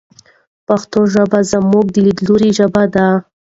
پښتو ژبه زموږ د لیدلوري ژبه ده.